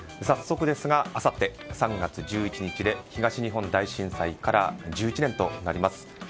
早速ですがあさって、３月１１日で東日本大震災から１１年となります。